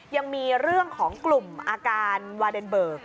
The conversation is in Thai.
ยังมีเรื่องของกลุ่มอาการวาเดนเบิก